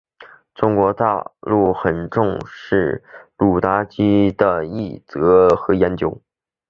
中国大陆很重视鲁达基的译介和研究。